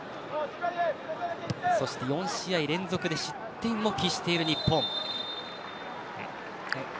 そして４試合連続で失点を喫している日本。